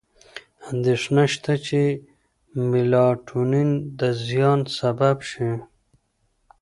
اندېښنه شته چې میلاټونین د زیان سبب شي.